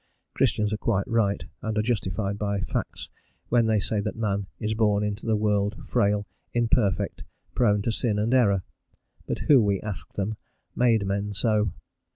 Christians are quite right and are justified by facts when they say that man is born into the world frail, imperfect, prone to sin and error; but who, we ask them, made men so?